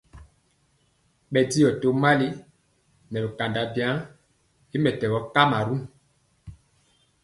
Bɛndiɔ tomali nɛ bikanda biwa y mɛtɛgɔ kamarun.